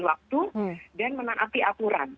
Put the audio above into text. waktu dan menaapi aturan